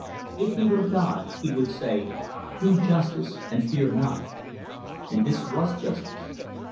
If he were God, he would say, Do justice and fear not. And this was justice.